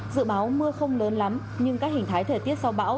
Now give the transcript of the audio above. dự báo mưa không lớn lắm nhưng các hình thái thời tiết sau bão